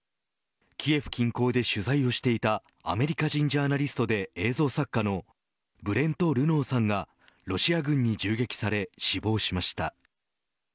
キエフ近郊で取材をしていたアメリカ人ジャーナリストで映像作家のブレント・ルノーさんがロシア軍に銃撃され死亡しました。